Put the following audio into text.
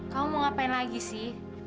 kamu mau ngapain lagi sih